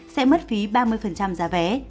sẽ mất phí ba mươi giá vé